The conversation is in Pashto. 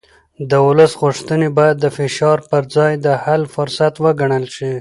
د ولس غوښتنې باید د فشار پر ځای د حل فرصت وګڼل شي